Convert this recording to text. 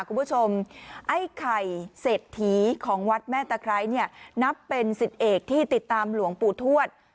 คุณผู้ชมไอ้ไข่เศรษฐีของวัดแม่ตะไคร้เนี่ยนับเป็นสิทธิเอกที่ติดตามหลวงปู่ทวด